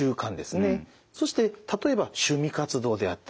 そして例えば趣味活動であったりと。